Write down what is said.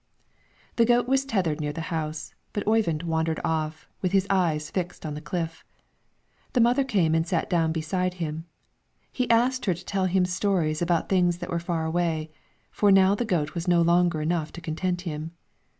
The goat was tethered near the house, but Oyvind wandered off, with his eyes fixed on the cliff. The mother came and sat down beside him; he asked her to tell him stories about things that were far away, for now the goat was no longer enough to content him.